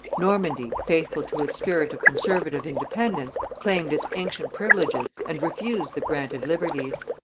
Normandy, faithful to its spirit of conservative independence, claimed its ancient privileges and refused the granted liberties.